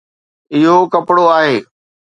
اهو ڪپڙو آهي